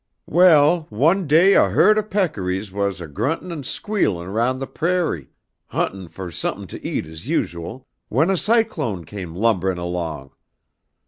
"Well, one day a herd of peccaries wah a gruntin' and squealin' around the prairie, huntin' for something to eat as usual, when a cyclone come lumberin' along.